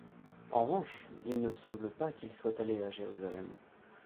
En revanche, il ne semble pas qu'il soit allé à Jérusalem.